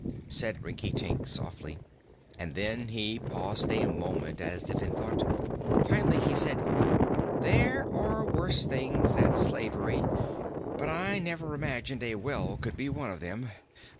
said Rinkitink softly; and then he paused a moment, as if in thought. Finally he said: "There are worse things than slavery, but I never imagined a well could be one of them.